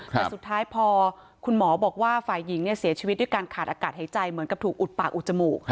แต่สุดท้ายพอคุณหมอบอกว่าฝ่ายหญิงเสียชีวิตด้วยการขาดอากาศหายใจเหมือนกับถูกอุดปากอุดจมูก